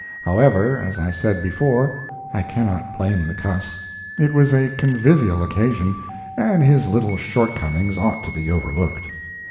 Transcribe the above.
However, as I said before, I cannot blame the cuss; it was a convivial occasion, and his little shortcomings ought to be overlooked.